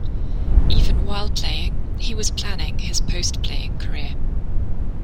Even while playing, he was planning his post-playing career.